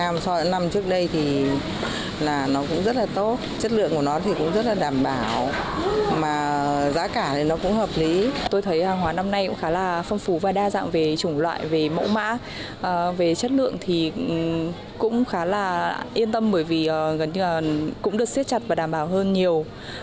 mình cũng khá là yên tâm bởi vì cũng được xếp chặt và đảm bảo hơn nhiều